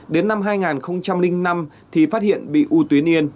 đến năm hai nghìn năm thì phát hiện bị u tuyến yên